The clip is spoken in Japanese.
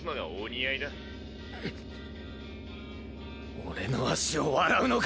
俺の足を笑うのか？